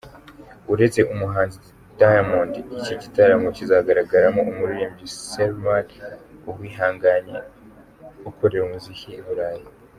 Uretse umuhanzi Damond, iki gitaramo kizagaragamo umuririmbyi Seleman Uwihanganye ukorera umuziki i Burayi.